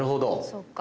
そっか。